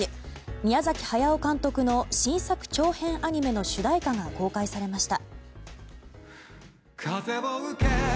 宮崎駿監督の新作長編アニメの主題歌が公開されました。